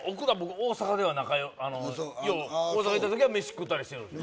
大阪では仲良よう大阪行った時はメシ食ったりしてるんすよ